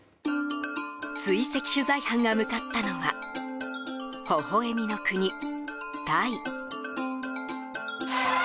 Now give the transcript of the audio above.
追跡取材班が向かったのは微笑みの国タイ。